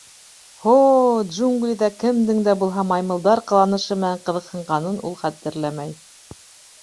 Һо-о, джунглиҙа кемдең дә булһа маймылдар ҡыланышы менән ҡыҙыҡһынғанын ул хәтерләмәй.